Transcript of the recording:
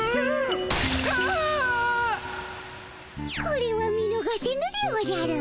これは見のがせぬでおじゃる。